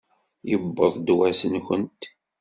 Yewweḍ-d wass-nkent!